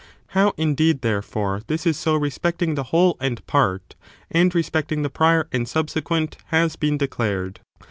How, indeed, therefore, this is so respecting the whole and part, and respecting the prior and subsequent, has been declai'ed.